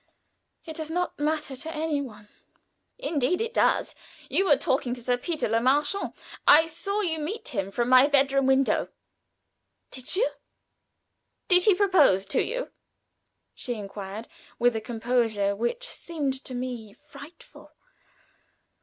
"It does not matter to any one." "Indeed it does. You were talking to Sir Peter Le Marchant. I saw you meet him from my bedroom window." "Did you?" "Did he propose to you?" she inquired, with a composure which seemed to me frightful.